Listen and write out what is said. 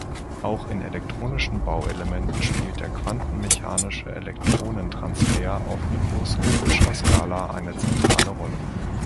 Auch in elektronischen Bauelementen spielt der quantenmechanische Elektronentransfer auf mikroskopischer Skala eine zentrale Rolle.